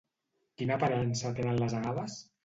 Quina aparença tenen les agaves?